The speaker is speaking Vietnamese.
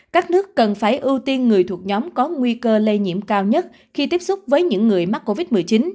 các nước cần phải ưu tiên người thuộc nhóm có nguy cơ lây nhiễm cao nhất khi tiếp xúc với những người mắc covid một mươi chín